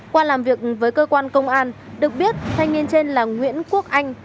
qua làm việc với cơ quan công an được biết thanh niên trên là nguyễn quốc anh